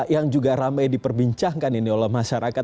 yang juga ramai diperbincangkan ini oleh masyarakat